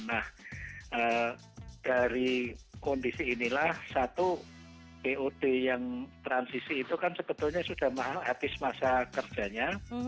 nah dari kondisi inilah satu pod yang transisi itu kan sebetulnya sudah mahal habis masa kerjanya